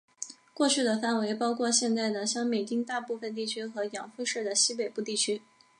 过去的范围包括现在的香美町大部分地区和养父市的西北部地区。